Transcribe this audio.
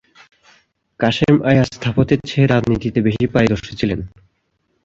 কাসেম আয়া স্থাপত্যের চেয়ে রাজনীতিতে বেশি পারদর্শী ছিলেন।